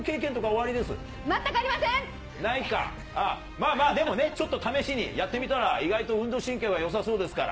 まあまあでもね、ちょっと試しにやってみたら、意外と運動神経はよさそうですから。